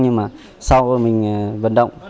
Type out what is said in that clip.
nhưng mà sau mình vận động